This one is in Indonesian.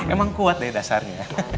emang kuat deh dasarnya